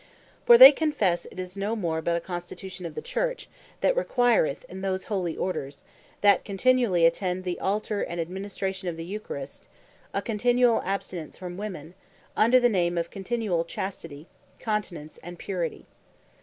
For they confesse it is no more, but a Constitution of the Church, that requireth in those holy Orders that continually attend the Altar, and administration of the Eucharist, a continuall Abstinence from women, under the name of continuall Chastity, Continence, and Purity.